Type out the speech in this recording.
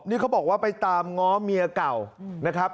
นี่เขาบอกว่าไปตามง้อเมียเก่านะครับ